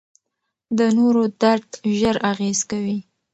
د نورو درد ژر اغېز کوي.